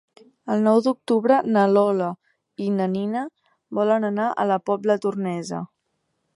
El nou d'octubre na Lola i na Nina volen anar a la Pobla Tornesa.